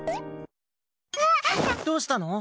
どうしたの？